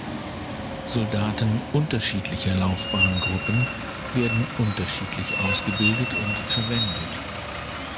Soldaten unterschiedlicher Laufbahngruppen werden unterschiedlich ausgebildet und verwendet.